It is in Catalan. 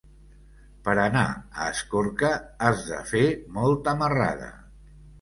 Per anar a Escorca has de fer molta marrada.